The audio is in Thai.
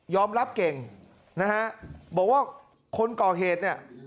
รับเก่งนะฮะบอกว่าคนก่อเหตุเนี่ย